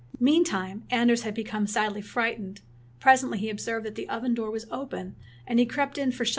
Meantime Anders had become sadly fright ened. Presently he Observed that the oven door was open, and he crept in for shelter SKRATTEL r^